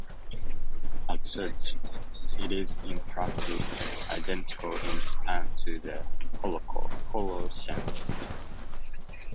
As such, it is in practice identical in span to the Holocene.